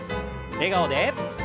笑顔で。